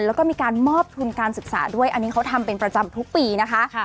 แล้วก็มีการมอบทุนการศึกษาด้วยอันนี้เขาทำเป็นประจำทุกปีนะคะ